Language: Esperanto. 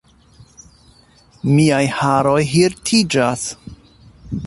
Miaj haroj hirtiĝas!